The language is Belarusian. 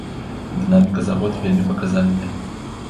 Дынаміка за год вельмі паказальная.